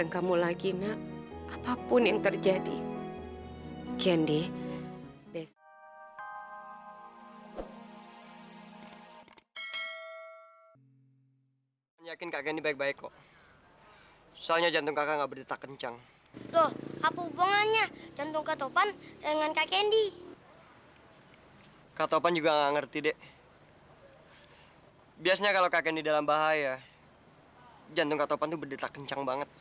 kata opan sedih karena